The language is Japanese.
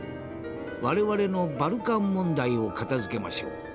我々のバルカン問題を片づけましょう。